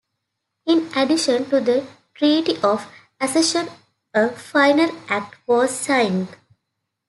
In addition to the Treaty of Accession a Final Act was signed.